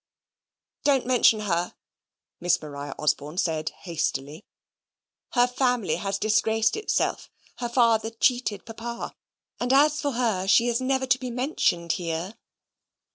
"Don't mention her," Miss Maria Osborne said hastily. "Her family has disgraced itself. Her father cheated Papa, and as for her, she is never to be mentioned HERE."